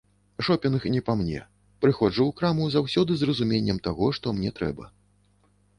Шопінг не па мне, прыходжу ў краму заўсёды з разуменнем таго, што мне трэба.